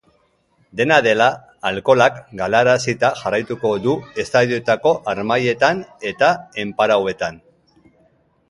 Dena dela, alkoholak galarazita jarraituko du estadioetako harmailetan eta enparauetan.